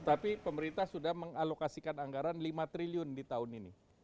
tapi pemerintah sudah mengalokasikan anggaran lima triliun di tahun ini